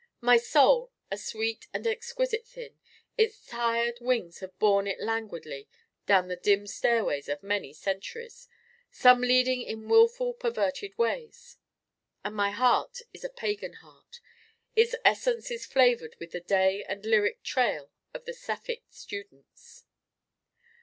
My Soul a sweet and an exquisite Thing its tired wings have borne it languidly down the dim stairways of many centuries, some leading in wilful perverted ways. And my Heart is a pagan Heart. Its essence is flavored with the day and lyric trail of the Sapphic students.